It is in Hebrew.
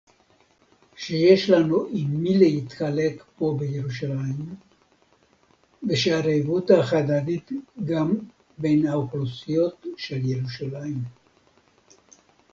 שיש לנו עם מי להתחלק פה בירושלים; ושהערבות ההדדית גם בין האוכלוסיות של ירושלים